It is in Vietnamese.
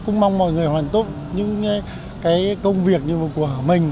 cũng mong mọi người hoàn tốt những cái công việc của mình